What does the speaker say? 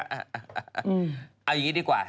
เอาอย่างนี้ดีกว่า